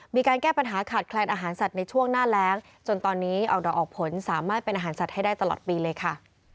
มีการแก้ปัญหาขาดแคลนอาหารสัตว์ในช่วงหน้าแรงจนตอนนี้อัลดอร์ออกผลสามารถเป็นอาหารสัตว์ให้ได้ตลอดปีเลยค่ะ